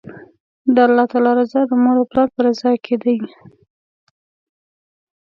د الله تعالی رضا، د مور او پلار په رضا کی ده